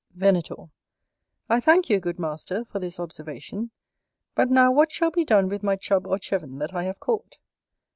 Venator. I thank you, good master, for this observation. But now what shall be done with my Chub or Cheven that I have caught?